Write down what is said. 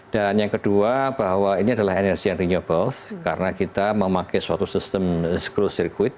dan yang kedua bahwa ini adalah energi yang renewable karena kita memakai suatu sistem screw circuit